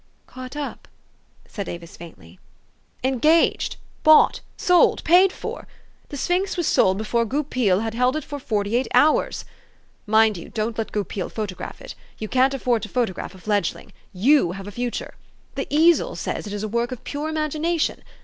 " Caught up ?" asked Avis faintly. " Engaged bought sold paid for. The sphinx was sold before Goupil had held it forty eight THE STORY OF AVIS. 373 hours. Mind you don't let Goupil photograph it. You can't afford to photograph a fledgling. You have a future. 'The Easel' says it is a work of pure imagination.